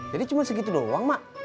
jadi cuma segitu doang ma